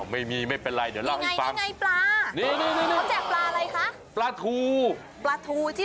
ติดทู